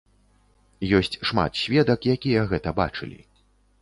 Ёсць шмат сведак, якія гэта бачылі.